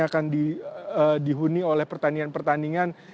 akan dihuni oleh pertandingan pertandingan